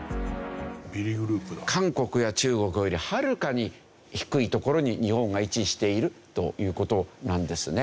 韓国や中国よりはるかに低いところに日本が位置しているという事なんですね。